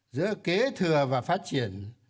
giữa kế thừa và phát triển